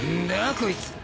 こいつ。